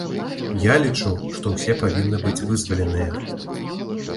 Я лічу, што ўсе павінны быць вызваленыя.